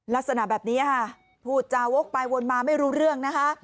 ลักษณะแบบนี้ค่ะพูดจาวกไปวนมาไม่รู้เรื่องนะคะ